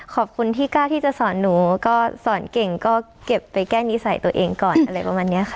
ขอบคุณที่กล้าที่จะสอนหนูก็สอนเก่งก็เก็บไปแก้นิสัยตัวเองก่อนอะไรประมาณนี้ค่ะ